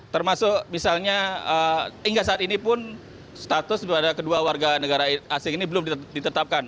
termasuk misalnya hingga saat ini pun status daripada kedua warga negara asing ini belum ditetapkan